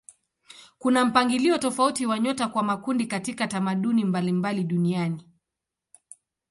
Kuna mpangilio tofauti wa nyota kwa makundi katika tamaduni mbalimbali duniani.